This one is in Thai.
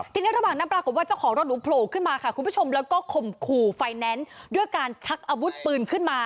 ทีนี้ระหว่างนั้นปรากฏว่าเจ้าของรถหนูโผล่ขึ้นมาค่ะคุณผู้ชมแล้วก็ข่มขู่ไฟแนนซ์ด้วยการชักอาวุธปืนขึ้นมา